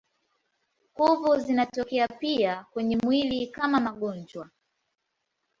Kuvu zinatokea pia kwenye mwili kama magonjwa.